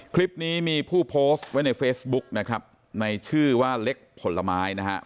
คลิปนี้มีผู้โพสต์ไว้ในเฟซบุ๊กนะครับในชื่อว่าเล็กผลไม้นะฮะ